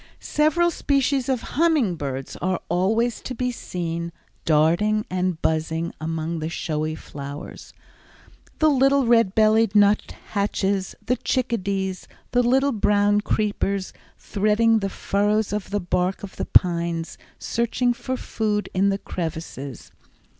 Several species of humming birds are always to be seen, darting and buzzing among the showy flowers. The little red bellied nuthatches, the chickadees, and little brown creepers, threading the furrows of the bark of the pines, searching for food in the crevices.